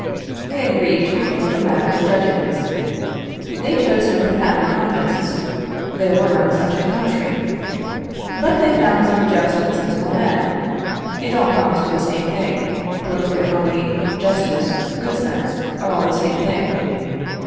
They agreed to refer the matter to judges. They chose no profound economists, there were none such in the country. But they found some just and sensible men; it all comes to the same thing; political economy, justice, good sense, are all the same thing.